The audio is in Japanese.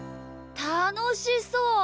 たのしそう。